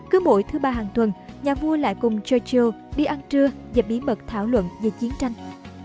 cứ mỗi thứ ba hàng tuần nhà vua lại cùng secheo đi ăn trưa và bí mật thảo luận về chiến tranh